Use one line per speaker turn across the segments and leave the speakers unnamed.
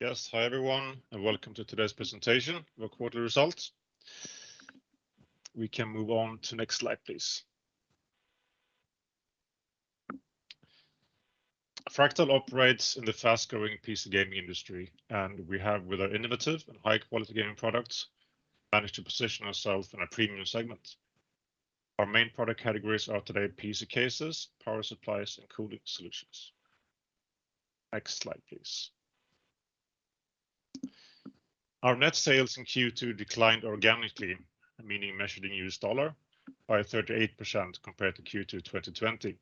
Yes. Hi everyone, welcome to today's presentation of our quarterly results. We can move on to next slide, please. Fractal operates in the fast-growing PC gaming industry, we have, with our innovative and high-quality gaming products, managed to position ourselves in a premium segment. Our main product categories are today PC cases, power supplies and cooling solutions. Next slide, please. Our net sales in Q2 declined organically, meaning measured in US dollar, by 38% compared to Q2 2020.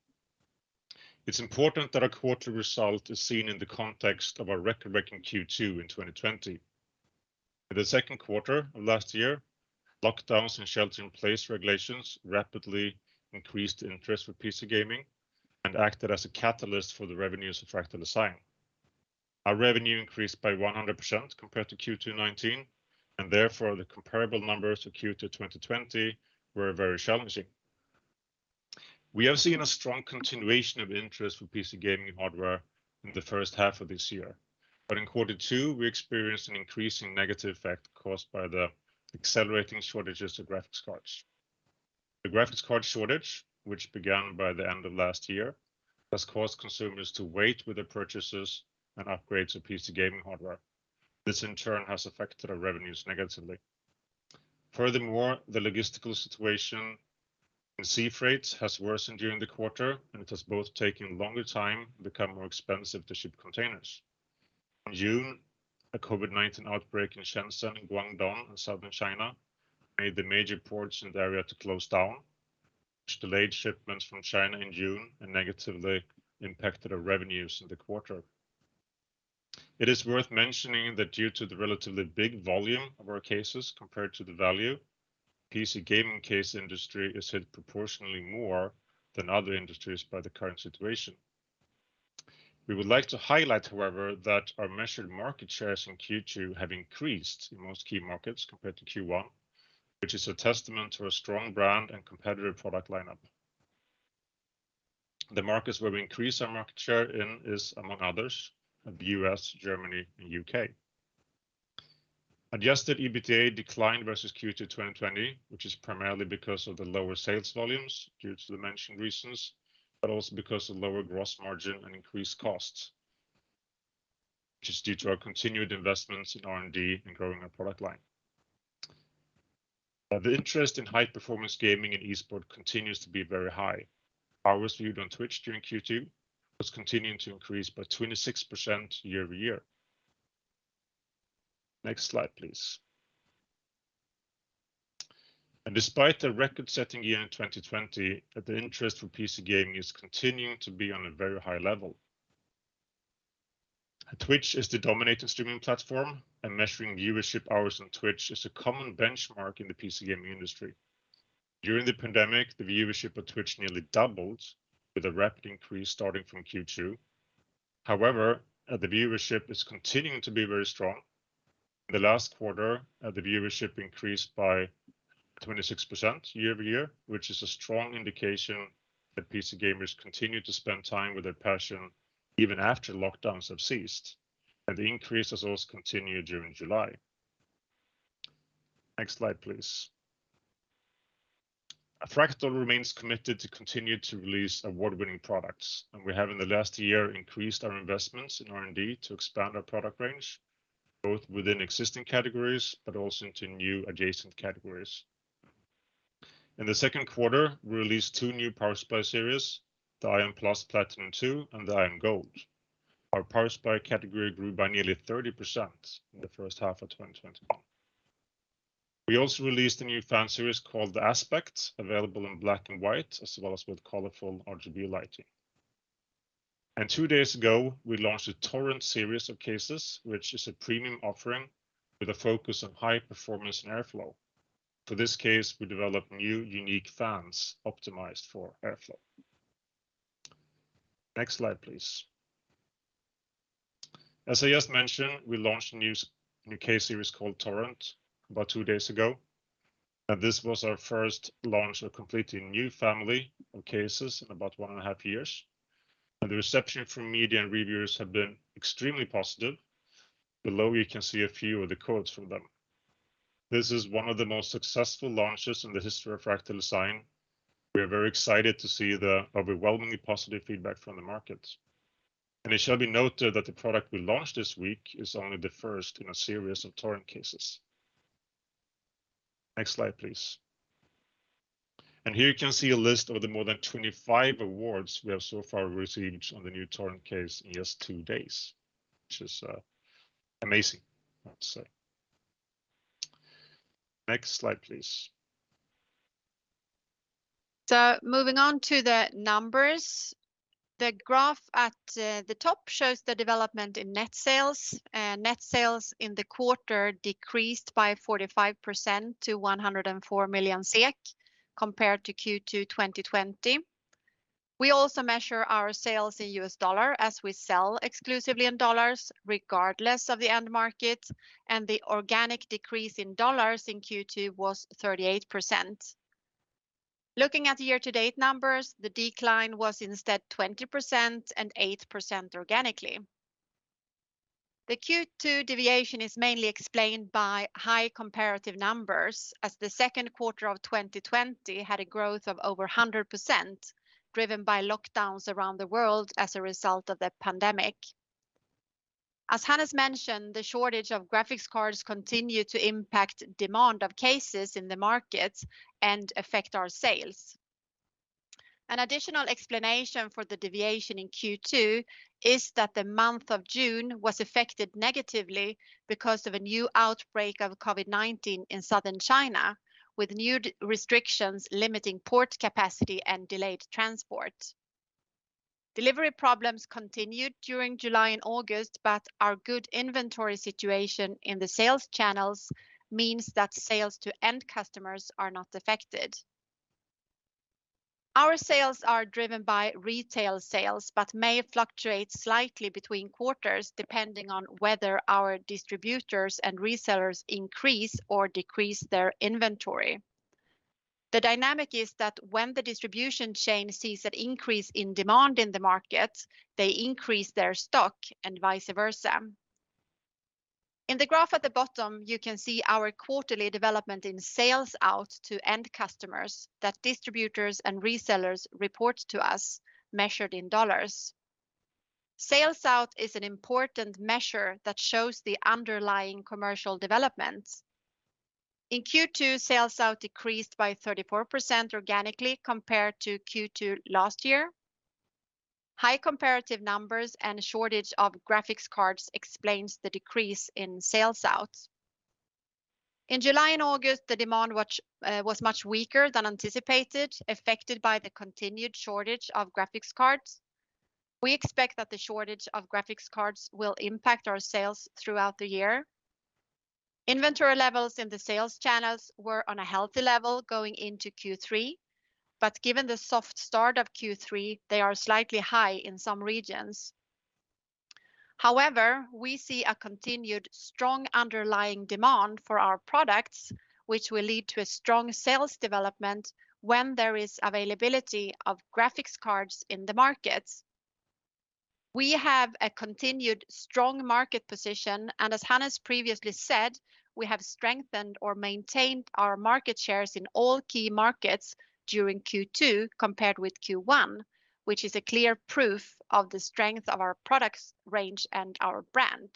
It's important that our quarterly result is seen in the context of our record-breaking Q2 in 2020. In the second quarter of last year, lockdowns and shelter-in-place regulations rapidly increased interest for PC gaming and acted as a catalyst for the revenues of Fractal Design. Our revenue increased by 100% compared to Q2 2019. Therefore the comparable numbers for Q2 2020 were very challenging. We have seen a strong continuation of interest for PC gaming hardware in the first half of this year. In quarter two, we experienced an increasing negative effect caused by the accelerating shortages of graphics cards. The graphics card shortage, which began by the end of last year, has caused consumers to wait with their purchases and upgrades of PC gaming hardware. This in turn has affected our revenues negatively. Furthermore, the logistical situation in sea freight has worsened during the quarter, and it has both taken longer time and become more expensive to ship containers. In June, a COVID-19 outbreak in Shenzhen, in Guangdong, in southern China, caused the major ports in the area to close down, which delayed shipments from China in June and negatively impacted our revenues in the quarter. It is worth mentioning that due to the relatively big volume of our cases compared to the value, PC gaming case industry is hit proportionally more than other industries by the current situation. We would like to highlight, however, that our measured market shares in Q2 have increased in most key markets compared to Q1, which is a testament to our strong brand and competitive product lineup. The markets where we increased our market share in is, among others, the U.S., Germany, and U.K. Adjusted EBITDA declined versus Q2 2020, which is primarily because of the lower sales volumes due to the mentioned reasons, but also because of lower gross margin and increased costs, which is due to our continued investments in R&D and growing our product line. The interest in high-performance gaming and esport continues to be very high. Hours viewed on Twitch during Q2 was continuing to increase by 26% year-over-year. Next slide, please. Despite a record-setting year in 2020, the interest for PC gaming is continuing to be on a very high level. Twitch is the dominating streaming platform, and measuring viewership hours on Twitch is a common benchmark in the PC gaming industry. During the pandemic, the viewership of Twitch nearly doubled, with a rapid increase starting from Q2. However, the viewership is continuing to be very strong. In the last quarter, the viewership increased by 26% year-over-year, which is a strong indication that PC gamers continue to spend time with their passion even after lockdowns have ceased. The increase has also continued during July. Next slide, please. Fractal remains committed to continue to release award-winning products, and we have in the last year increased our investments in R&D to expand our product range, both within existing categories but also into new adjacent categories. In the second quarter, we released two new power supply, the Ion+ 2 Platinum and the Ion Gold. Our power supply category grew by nearly 30% in the first half of 2021. We also released a new fan series called the Aspect, available in black and white, as well as with colorful RGB lighting. Two days ago, we launched a Torrent series of cases, which is a premium offering with a focus on high performance and airflow. For this case, we developed new unique fans optimized for airflow. Next slide, please. As I just mentioned, we launched a new case series called Torrent about two days ago. This was our first launch of a completely new family of cases in about one and a half years. The reception from media and reviewers have been extremely positive. Below, you can see a few of the quotes from them. This is one of the most successful launches in the history of Fractal Design. We are very excited to see the overwhelmingly positive feedback from the market. It shall be noted that the product we launched this week is only the first in a series of Torrent cases. Next slide, please. Here you can see a list of the more than 25 awards we have so far received on the new Torrent case in just two days, which is amazing, I have to say. Next slide, please.
Moving on to the numbers. The graph at the top shows the development in net sales. Net sales in the quarter decreased by 45% to 104 million SEK compared to Q2 2020. We also measure our sales in U.S. dollar as we sell exclusively in U.S. dollars regardless of the end market, and the organic decrease in dollars in Q2 was 38%. Looking at the year-to-date numbers, the decline was instead 20% and 8% organically. The Q2 deviation is mainly explained by high comparative numbers, as the second quarter of 2020 had a growth of over 100%, driven by lockdowns around the world as a result of the pandemic. As Hannes mentioned, the shortage of graphics cards continued to impact demand of cases in the markets and affect our sales. An additional explanation for the deviation in Q2 is that the month of June was affected negatively because of a new outbreak of COVID-19 in southern China, with new restrictions limiting port capacity and delayed transport. Delivery problems continued during July and August, but our good inventory situation in the sales channels means that sales to end customers are not affected. Our sales are driven by retail sales, but may fluctuate slightly between quarters depending on whether our distributors and resellers increase or decrease their inventory. The dynamic is that when the distribution chain sees an increase in demand in the market, they increase their stock, and vice versa. In the graph at the bottom, you can see our quarterly development in sales out to end customers that distributors and resellers report to us, measured in US dollars. Sales out is an important measure that shows the underlying commercial developments. In Q2, sales out decreased by 34% organically compared to Q2 last year. High comparative numbers and shortage of graphics cards explains the decrease in sales out. In July and August, the demand was much weaker than anticipated, affected by the continued shortage of graphics cards. We expect that the shortage of graphics cards will impact our sales throughout the year. Inventory levels in the sales channels were on a healthy level going into Q3, but given the soft start of Q3, they are slightly high in some regions. However, we see a continued strong underlying demand for our products, which will lead to a strong sales development when there is availability of graphics cards in the market. We have a continued strong market position, and as Hannes previously said, we have strengthened or maintained our market shares in all key markets during Q2 compared with Q1, which is a clear proof of the strength of our product range and our brand.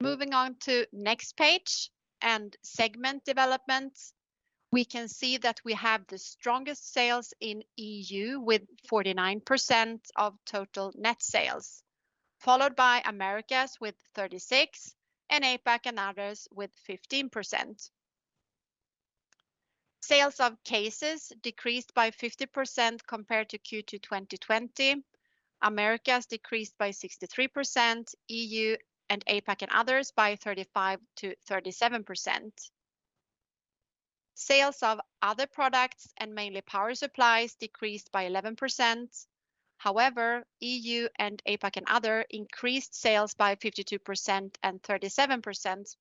Moving on to next page and segment development. We can see that we have the strongest sales in EU with 49% of total net sales, followed by Americas with 36%, and APAC and others with 15%. Sales of cases decreased by 50% compared to Q2 2020. Americas decreased by 63%, EU and APAC and others by 35%-37%. Sales of other products and mainly power supplies decreased by 11%. EU and APAC and other increased sales by 52% and 37%,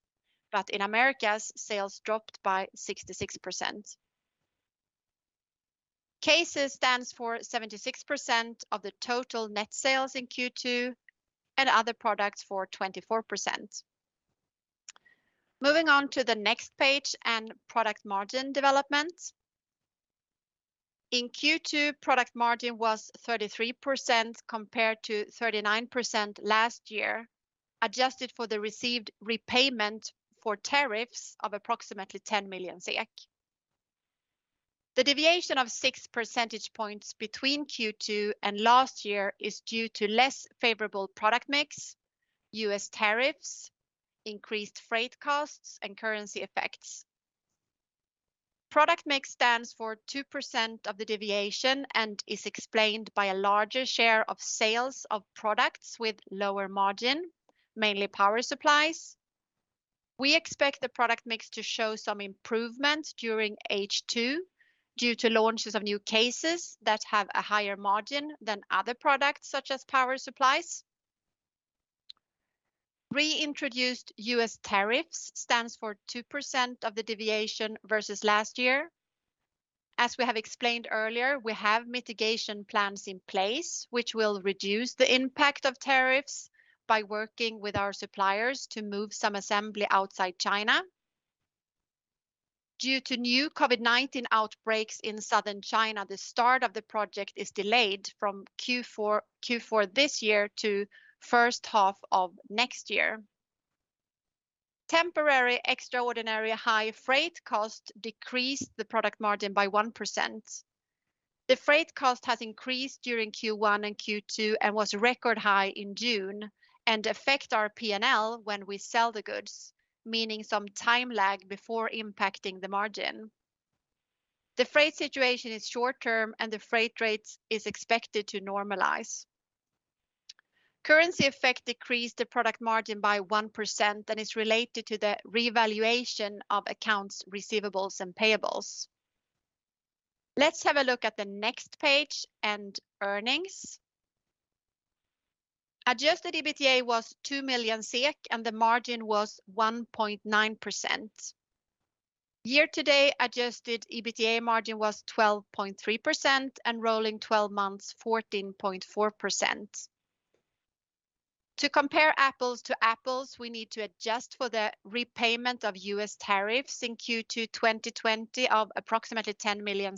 but in Americas, sales dropped by 66%. Cases stands for 76% of the total net sales in Q2, and other products for 24%. Moving on to the next page and product margin development. In Q2, product margin was 33% compared to 39% last year, adjusted for the received repayment for tariffs of approximately 10 million. The deviation of six percentage points between Q2 and last year is due to less favorable product mix, U.S. tariffs, increased freight costs, and currency effects. Product mix stands for 2% of the deviation and is explained by a larger share of sales of products with lower margin, mainly power supplies. We expect the product mix to show some improvement during H2 due to launches of new cases that have a higher margin than other products, such as power supplies. Re-introduced U.S. tariffs stands for 2% of the deviation versus last year. As we have explained earlier, we have mitigation plans in place, which will reduce the impact of tariffs by working with our suppliers to move some assembly outside China. Due to new COVID-19 outbreaks in southern China, the start of the project is delayed from Q4 this year to first half of next year. Temporary extraordinary high freight cost decreased the product margin by 1%. The freight cost has increased during Q1 and Q2 and was record high in June and affect our P&L when we sell the goods, meaning some time lag before impacting the margin. The freight situation is short-term, and the freight rate is expected to normalize. Currency effect decreased the product margin by 1% and is related to the revaluation of accounts receivables and payables. Let's have a look at the next page and earnings. Adjusted EBITDA was 2 million SEK, and the margin was 1.9%. Year-to-date adjusted EBITDA margin was 12.3%, and rolling 12 months, 14.4%. To compare apples to apples, we need to adjust for the repayment of U.S. tariffs in Q2 2020 of approximately 10 million,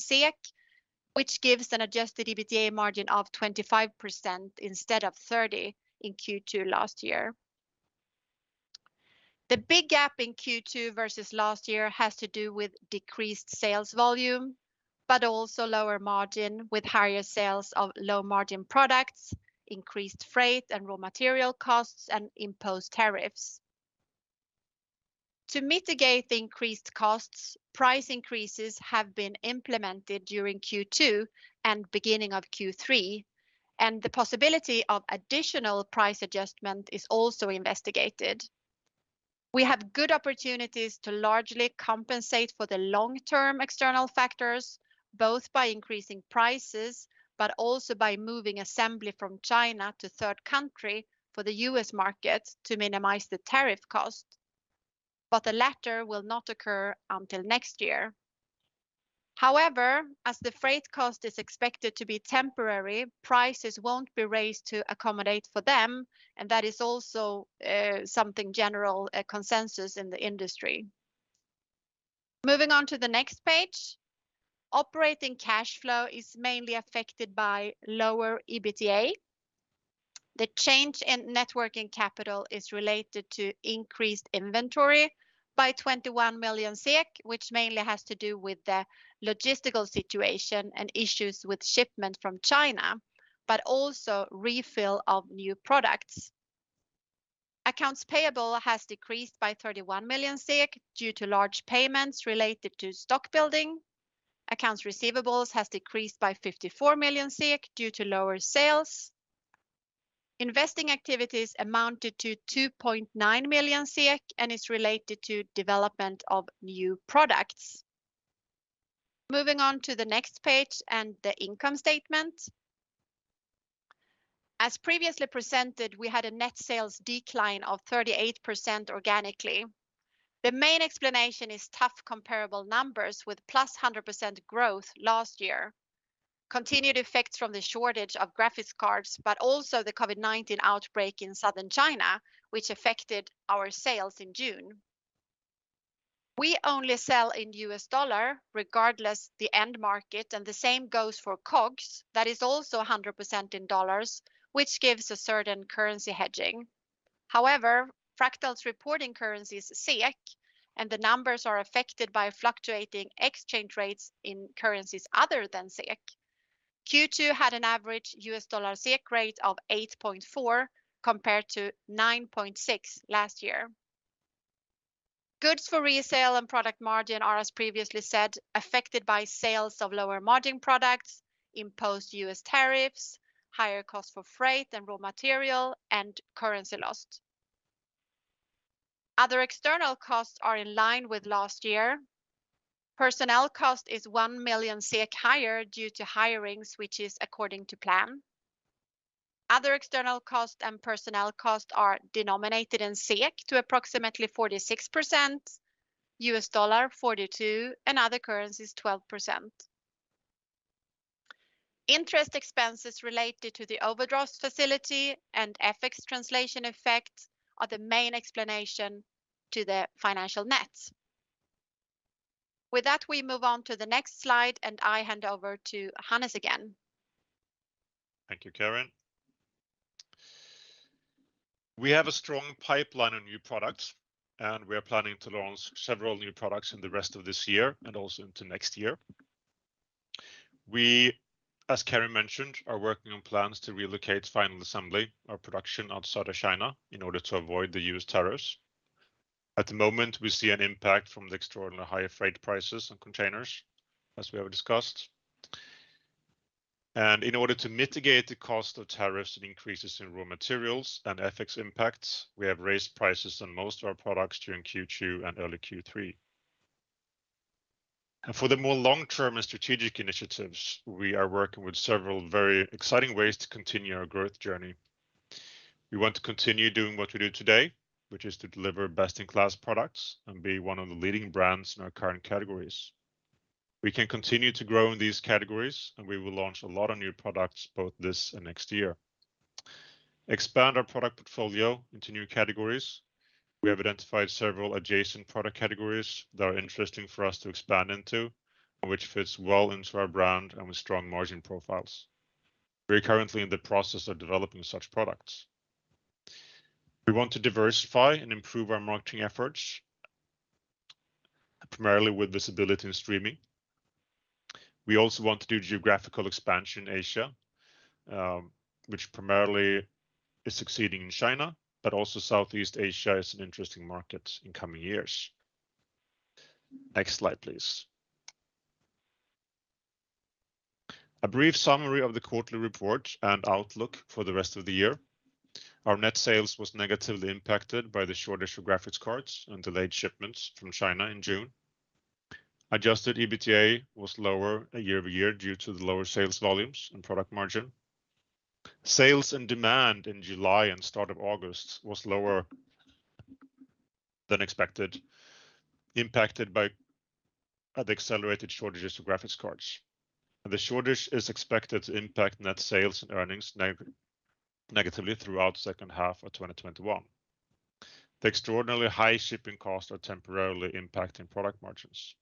which gives an adjusted EBITDA margin of 25% instead of 30% in Q2 last year. The big gap in Q2 versus last year has to do with decreased sales volume, but also lower margin with higher sales of low-margin products, increased freight and raw material costs, and imposed tariffs. To mitigate the increased costs, price increases have been implemented during Q2 and beginning of Q3, and the possibility of additional price adjustment is also investigated. We have good opportunities to largely compensate for the long-term external factors, both by increasing prices, but also by moving assembly from China to a third country for the U.S. market to minimize the tariff cost. The latter will not occur until next year. However, as the freight cost is expected to be temporary, prices won't be raised to accommodate for them, and that is also something general consensus in the industry. Moving on to the next page. Operating cash flow is mainly affected by lower EBITDA. The change in net working capital is related to increased inventory by 21 million SEK, which mainly has to do with the logistical situation and issues with shipment from China, but also refill of new products. Accounts payable has decreased by 31 million due to large payments related to stock building. Accounts receivables has decreased by 54 million due to lower sales. Investing activities amounted to 2.9 million and is related to development of new products. Moving on to the next page and the income statement. As previously presented, we had a net sales decline of 38% organically. The main explanation is tough comparable numbers with plus 100% growth last year. Continued effects from the shortage of graphics cards, but also the COVID-19 outbreak in southern China, which affected our sales in June. We only sell in U.S. dollar regardless the end market, and the same goes for COGS. That is also 100% in U.S. dollars, which gives a certain currency hedging. However, Fractal's reporting currency is SEK, and the numbers are affected by fluctuating exchange rates in currencies other than SEK. Q2 had an average U.S. dollar/SEK rate of 8.4 compared to 9.6 last year. Goods for resale and product margin are, as previously said, affected by sales of lower margin products, imposed U.S. tariffs, higher cost for freight and raw material, and currency loss. Other external costs are in line with last year. Personnel cost is 1 million SEK higher due to hirings, which is according to plan. Other external costs and personnel costs are denominated in SEK to approximately 46%, US dollar 42%, and other currencies 12%. Interest expenses related to the overdraft facility and FX translation effects are the main explanation to the financial net. With that, we move on to the next slide, and I hand over to Hannes again.
Thank you, Karin. We have a strong pipeline of new products, we are planning to launch several new products in the rest of this year and also into next year. We, as Karin mentioned, are working on plans to relocate final assembly or production out of southern China in order to avoid the U.S. tariffs. At the moment, we see an impact from the extraordinary higher freight prices on containers, as we have discussed. In order to mitigate the cost of tariffs and increases in raw materials and FX impacts, we have raised prices on most of our products during Q2 and early Q3. For the more long-term and strategic initiatives, we are working with several very exciting ways to continue our growth journey. We want to continue doing what we do today, which is to deliver best-in-class products and be one of the leading brands in our current categories. We can continue to grow in these categories, and we will launch a lot of new products both this and next year. We will expand our product portfolio into new categories. We have identified several adjacent product categories that are interesting for us to expand into and which fits well into our brand and with strong margin profiles. We are currently in the process of developing such products. We want to diversify and improve our marketing efforts, primarily with visibility in streaming. We also want to do geographical expansion in Asia, which primarily is succeeding in China, but also Southeast Asia is an interesting market in coming years. Next slide, please. A brief summary of the quarterly report and outlook for the rest of the year. Our net sales was negatively impacted by the shortage of graphics cards and delayed shipments from China in June. Adjusted EBITDA was lower year-over-year due to the lower sales volumes and product margin. Sales and demand in July and start of August was lower than expected, impacted by the accelerated shortages of graphics cards. The shortage is expected to impact net sales and earnings negatively throughout second half of 2021. The extraordinarily high shipping costs are temporarily impacting product margins.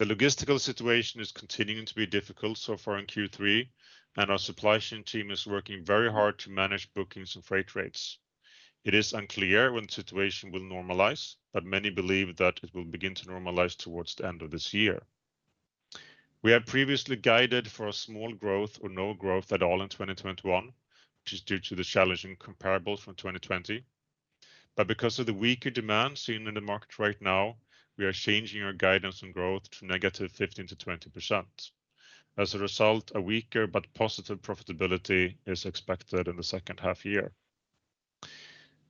The logistical situation is continuing to be difficult so far in Q3, and our supply chain team is working very hard to manage bookings and freight rates. It is unclear when the situation will normalize, but many believe that it will begin to normalize towards the end of this year. We have previously guided for a small growth or no growth at all in 2021, which is due to the challenging comparables from 2020. Because of the weaker demand seen in the market right now, we are changing our guidance on growth to negative 15%-20%. As a result, a weaker but positive profitability is expected in the second half year.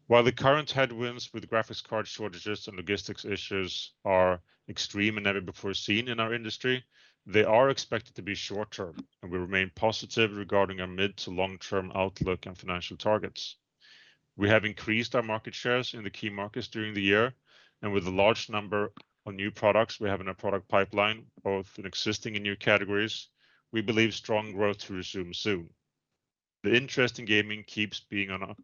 While the current headwinds with graphics card shortages and logistics issues are extreme and never before seen in our industry, they are expected to be short-term, and we remain positive regarding our mid- to long-term outlook and financial targets. We have increased our market shares in the key markets during the year, and with a large number of new products we have in our product pipeline, both in existing and new categories, we believe strong growth to resume soon. The interest in gaming keeps being on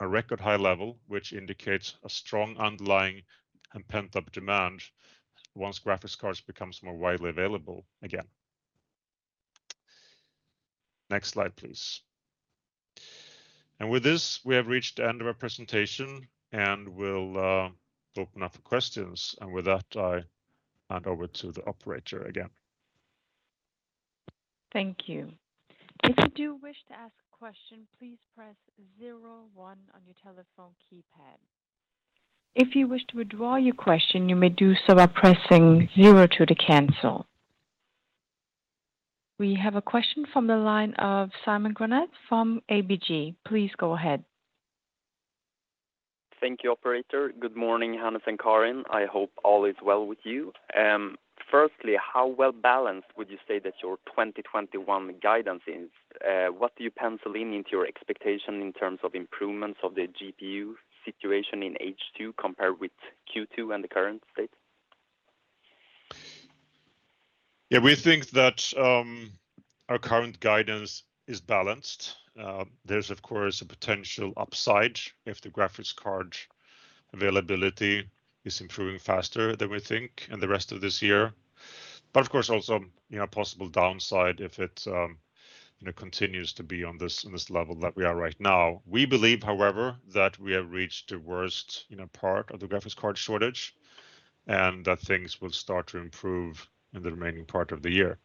a record high level, which indicates a strong underlying and pent-up demand once graphics cards becomes more widely available again. Next slide, please. With this, we have reached the end of our presentation, and we'll open up for questions. With that, I hand over to the operator again.
Thank you. If you do wish to ask a question, please press zero one on your telephone keypad. If you wish to withdraw your question, you may do so by pressing zero two to cancel. We have a question from the line of Simon Granath from ABG. Please go ahead.
Thank you, operator. Good morning, Hannes and Karin. I hope all is well with you. Firstly, how well-balanced would you say that your 2021 guidance is? What do you pencil in into your expectation in terms of improvements of the GPU situation in H2 compared with Q2 and the current state?
Yeah, we think that our current guidance is balanced. There's, of course, a potential upside if the graphics card availability is improving faster than we think in the rest of this year. Of course, also a possible downside if it continues to be on this level that we are right now. We believe, however, that we have reached the worst part of the graphics card shortage, and that things will start to improve in the remaining part of the year.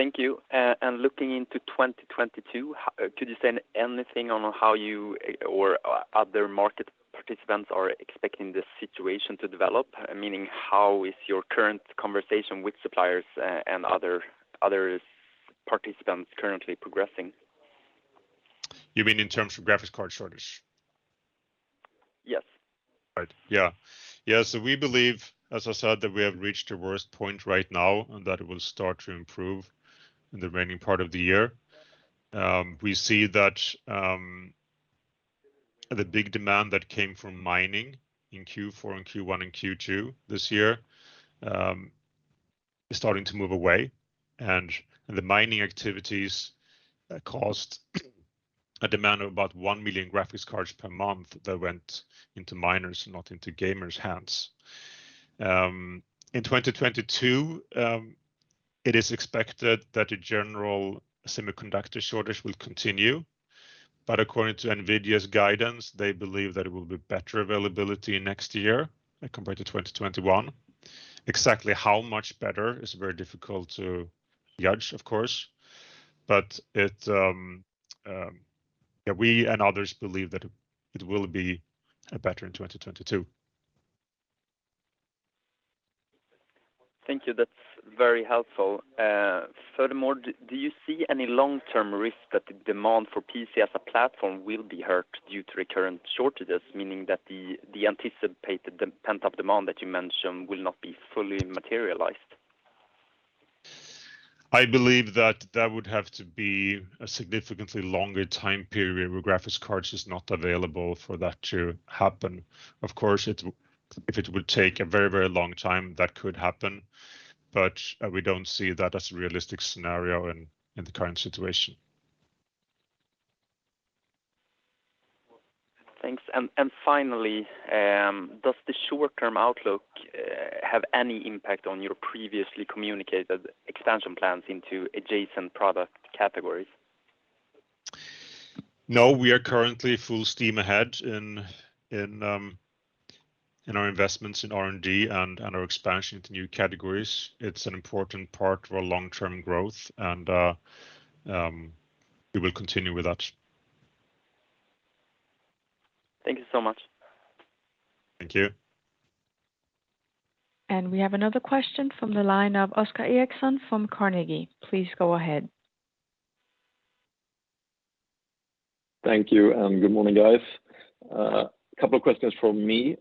Thank you. Looking into 2022, could you say anything on how you or other market participants are expecting this situation to develop? Meaning, how is your current conversation with suppliers and other participants currently progressing?
You mean in terms of graphics card shortage?
Yes.
Right. Yeah. We believe, as I said, that we have reached the worst point right now, and that it will start to improve in the remaining part of the year. We see that the big demand that came from mining in Q4 and Q1 and Q2 this year is starting to move away. The mining activities caused a demand of about 1 million graphics cards per month that went into miners', not into gamers' hands. In 2022, it is expected that a general semiconductor shortage will continue. According to NVIDIA's guidance, they believe that it will be better availability next year compared to 2021. Exactly how much better is very difficult to judge, of course. We and others believe that it will be better in 2022.
Thank you. That's very helpful. Furthermore, do you see any long-term risk that the demand for PC as a platform will be hurt due to the current shortages, meaning that the anticipated pent-up demand that you mentioned will not be fully materialized?
I believe that that would have to be a significantly longer time period where graphics cards is not available for that to happen. Of course, if it would take a very long time, that could happen, but we don't see that as a realistic scenario in the current situation.
Thanks. Finally, does the short-term outlook have any impact on your previously communicated expansion plans into adjacent product categories?
No. We are currently full steam ahead in our investments in R&D and our expansion to new categories. It's an important part of our long-term growth, and we will continue with that.
Thank you so much.
Thank you.
We have another question from the line of Oscar Erixon from Carnegie. Please go ahead.
Thank you, good morning, guys. A couple of questions from me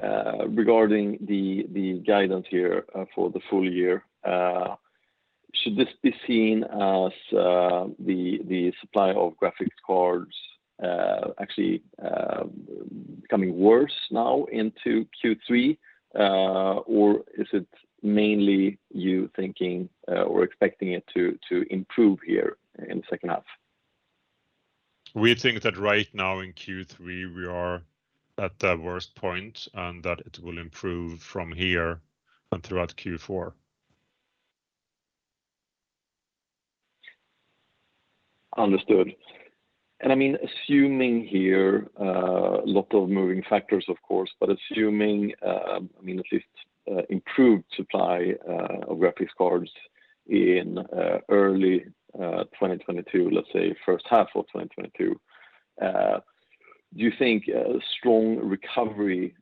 regarding the guidance here for the full year. Should this be seen as the supply of graphics cards actually becoming worse now into Q3? Is it mainly you thinking or expecting it to improve here in the second half?
We think that right now in Q3, we are at the worst point, and that it will improve from here and throughout Q4.
Understood. Assuming here, lot of moving factors, of course, but assuming at least improved supply of graphics cards in early 2022, let's say first half of 2022, do you think a strong recovery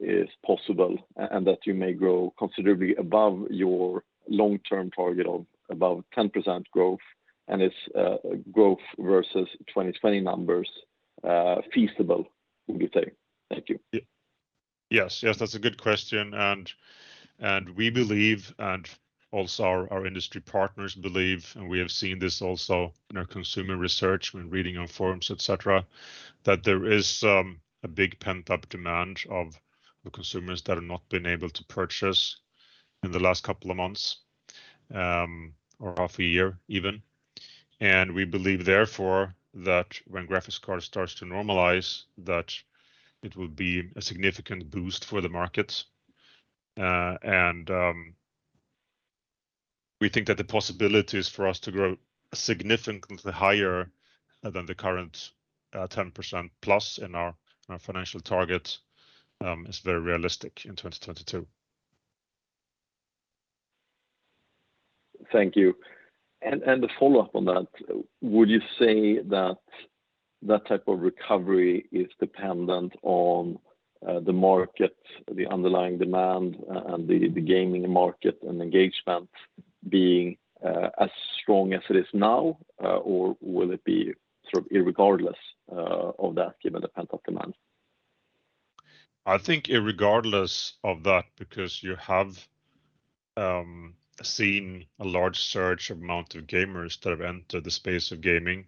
is possible and that you may grow considerably above your long-term target of above 10% growth, and it's growth versus 2020 numbers, feasible, would you say? Thank you.
Yes. That's a good question. We believe, and also our industry partners believe, and we have seen this also in our consumer research when reading on forums, et cetera, that there is a big pent-up demand of the consumers that have not been able to purchase in the last couple of months, or half a year even. We believe therefore, that when graphics card starts to normalize, that it will be a significant boost for the market. We think that the possibilities for us to grow significantly higher than the current, 10% plus in our financial target, is very realistic in 2022.
Thank you. A follow-up on that. Would you say that type of recovery is dependent on the market, the underlying demand, and the gaming market and engagement being as strong as it is now? Will it be sort of irregardless of that, given the pent-up demand?
I think irregardless of that, because you have seen a large surge of amount of gamers that have entered the space of gaming,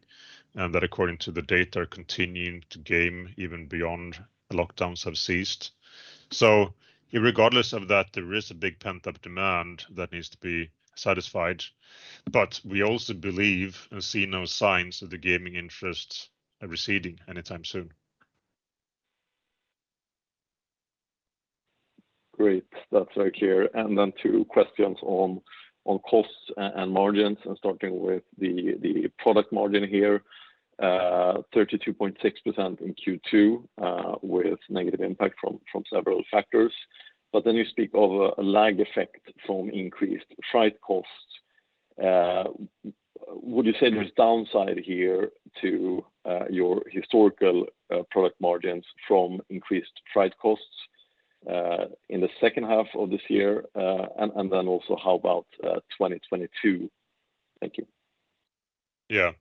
and that according to the data, are continuing to game even beyond the lockdowns have ceased. Irregardless of that, there is a big pent-up demand that needs to be satisfied. We also believe and see no signs of the gaming interest receding anytime soon.
Great. That's very clear. Two questions on costs and margins, starting with the product margin here, 32.6% in Q2, with negative impact from several factors. You speak of a lag effect from increased freight costs. Would you say there's downside here to your historical product margins from increased freight costs, in the second half of this year? How about 2022? Thank you.
Yeah.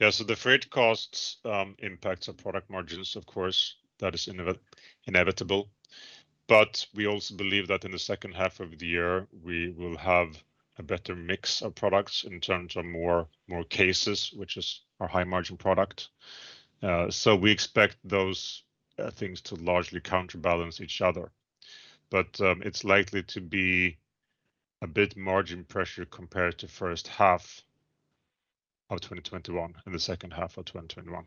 The freight costs impacts our product margins, of course, that is inevitable. We also believe that in the second half of the year, we will have a better mix of products in terms of more cases, which is our high-margin product. We expect those things to largely counterbalance each other. It's likely to be a bit margin pressure compared to first half of 2021 and the second half of 2021.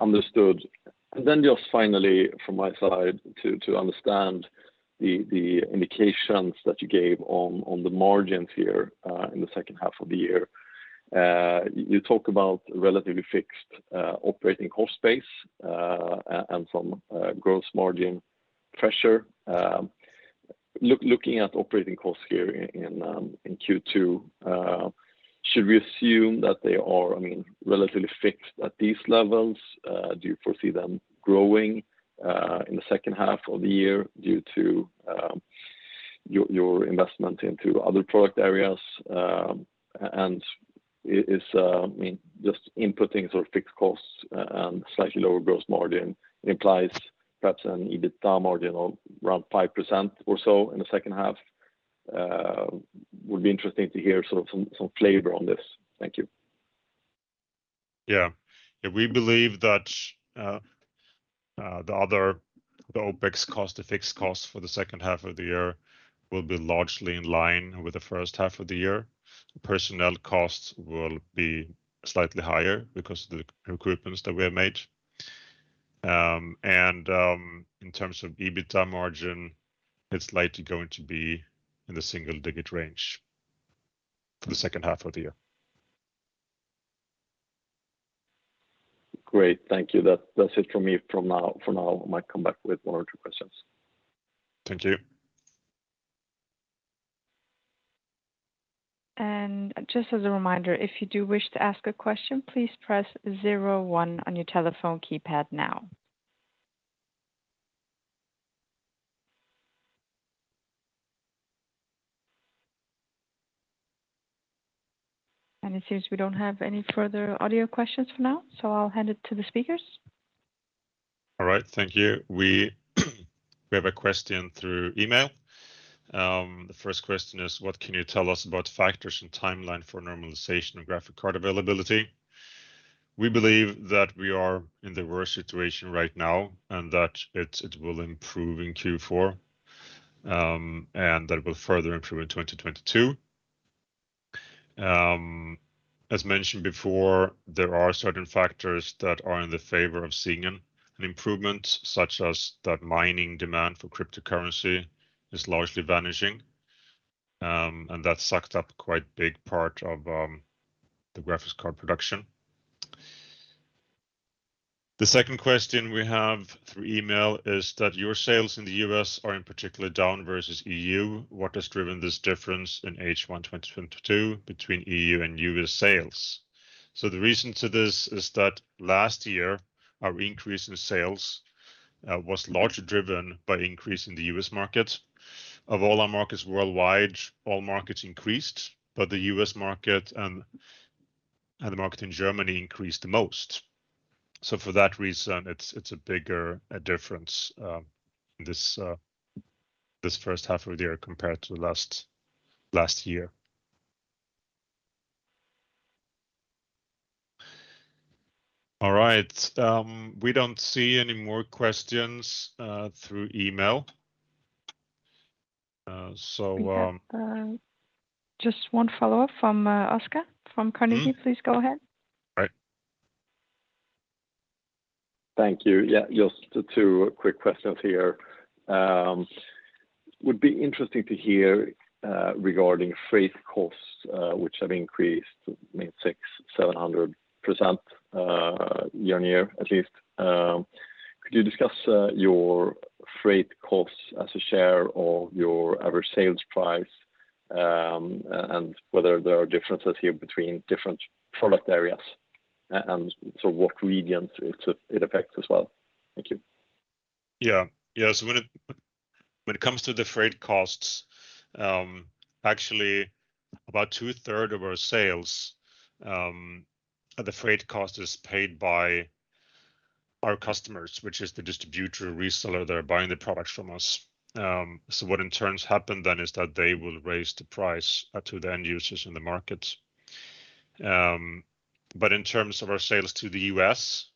Understood. Just finally from my side, to understand the indications that you gave on the margins here, in the second half of the year. You talk about relatively fixed operating cost base, and some gross margin pressure. Looking at operating costs here in Q2, should we assume that they are relatively fixed at these levels? Do you foresee them growing, in the second half of the year due to your investment into other product areas? Just inputting sort of fixed costs and slightly lower gross margin implies perhaps an EBITDA margin of around 5% or so in the second half. Would be interesting to hear sort of some flavor on this. Thank you.
Yeah. We believe that the other, the OpEx cost, the fixed cost for the second half of the year will be largely in line with the first half of the year. Personnel costs will be slightly higher because of the recruitments that we have made. In terms of EBITDA margin, it's likely going to be in the single-digit range for the second half of the year.
Great, thank you. That's it from me for now. I might come back with one or two questions.
Thank you.
Just as a reminder, if you do wish to ask a question, please press zero one on your telephone keypad now. It seems we don't have any further audio questions for now, so I'll hand it to the speakers.
All right. Thank you. We have a question through email. The first question is: what can you tell us about factors and timeline for normalization of graphics card availability? We believe that we are in the worst situation right now, and that it will improve in Q4, and that it will further improve in 2022. As mentioned before, there are certain factors that are in the favor of seeing an improvement, such as that mining demand for cryptocurrency is largely vanishing. That sucked up quite a big part of the graphics card production. The second question we have through email is that your sales in the U.S. are in particular down versus EU. What has driven this difference in H1 2021 between EU and U.S. sales? The reason to this is that last year, our increase in sales was largely driven by increase in the U.S. market. Of all our markets worldwide, all markets increased, but the U.S. market and the market in Germany increased the most. For that reason, it's a bigger difference this first half of the year compared to last year. All right. We don't see any more questions through email.
We have just one follow-up from Oscar from Carnegie. Please go ahead.
All right.
Thank you. Yeah, just two quick questions here. Would be interesting to hear regarding freight costs, which have increased 700% year-on-year at least. Could you discuss your freight costs as a share of your average sales price, and whether there are differences here between different product areas, and so what regions it affects as well? Thank you.
Yeah. When it comes to the freight costs, actually about 2/3 of our sales, the freight cost is paid by our customers, which is the distributor, reseller that are buying the products from us. In terms of our sales to the U.S.,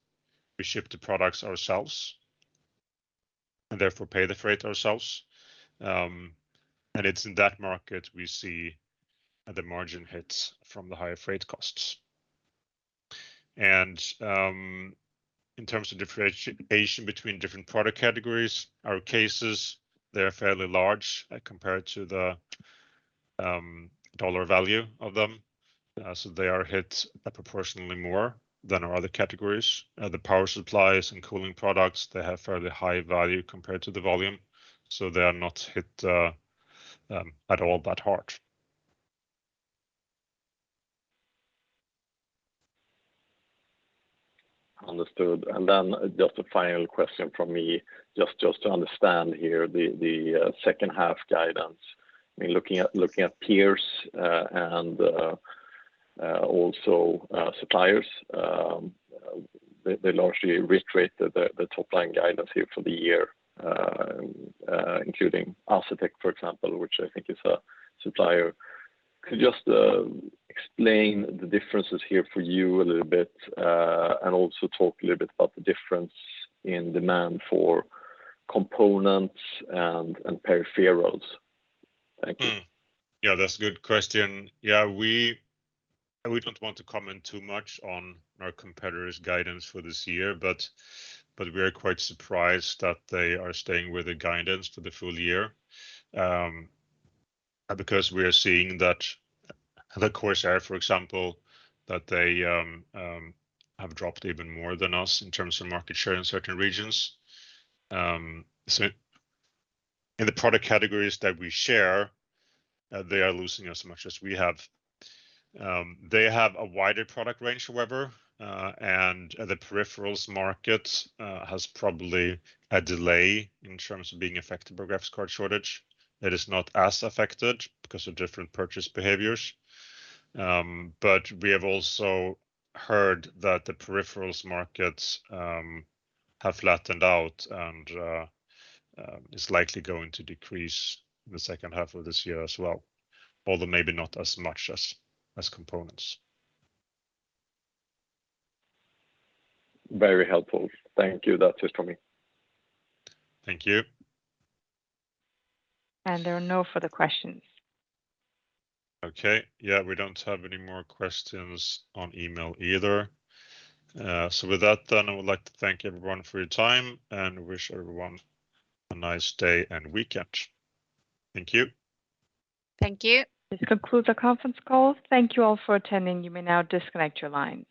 we ship the products ourselves and therefore pay the freight ourselves. It's in that market we see the margin hits from the higher freight costs. In terms of differentiation between different product categories, our cases, they're fairly large compared to the dollar value of them, so they are hit proportionally more than our other categories. The power supplies and cooling products, they have fairly high value compared to the volume, so they are not hit at all that hard.
Understood. Just a final question from me, just to understand here the second half guidance. Looking at peers and also suppliers, they largely reiterate the top line guidance here for the year, including Asetek, for example, which I think is a supplier. Could you just explain the differences here for you a little bit, and also talk a little bit about the difference in demand for components and peripherals? Thank you.
That's a good question. We don't want to comment too much on our competitors' guidance for this year, but we are quite surprised that they are staying with the guidance for the full year, because we are seeing that Corsair, for example, that they have dropped even more than us in terms of market share in certain regions. In the product categories that we share, they are losing as much as we have. They have a wider product range, however, and the peripherals market has probably a delay in terms of being affected by graphics card shortage. It is not as affected because of different purchase behaviors. We have also heard that the peripherals markets have flattened out, and is likely going to decrease in the second half of this year as well, although maybe not as much as components.
Very helpful. Thank you. That's it from me.
Thank you.
There are no further questions.
Okay. Yeah, we don't have any more questions on email either. With that then, I would like to thank everyone for your time and wish everyone a nice day and weekend. Thank you.
Thank you. This concludes our conference call. Thank you all for attending. You may now disconnect your lines.